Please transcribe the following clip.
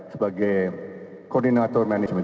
sebagai koordinator manajemen